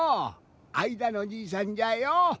あいだのじいさんじゃよ！